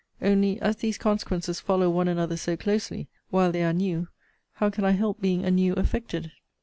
Only, as these consequences follow one another so closely, while they are new, how can I help being anew affected?